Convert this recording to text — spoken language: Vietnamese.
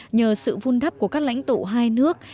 nhờ sự vun đắp của các lãnh tụ hai nước